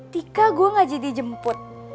tika gue gak jadi jemput